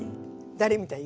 誰みたい？